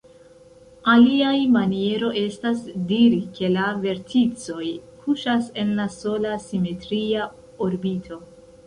Aliaj maniero estas diri ke la verticoj kuŝas en la sola "simetria orbito".